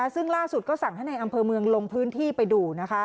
ซึ่งล่าสุดก็สั่งให้ในอำเภอเมืองลงพื้นที่ไปดู